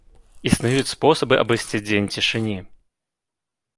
Існуюць спосабы абысці дзень цішыні.